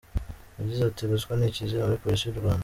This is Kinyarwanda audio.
Yagize ati, "Ruswa ni ikizira muri Polisi y’u Rwanda.